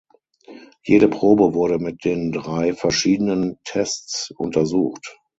Jede Probe wurde mit den drei verschiedenen Tests untersucht.